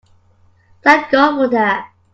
Thank God for that!